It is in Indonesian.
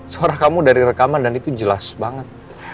suara kamu dari rekaman dan itu jelas banget